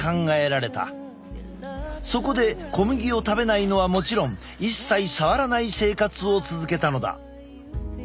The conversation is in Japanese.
そこで小麦を食べないのはもちろん一切触らない生活を続けたのだ。